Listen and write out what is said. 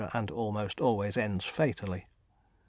and almost always ends fatally.